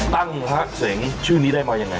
ตั้งหาเสียงชื่อนี้ได้มาอย่างไร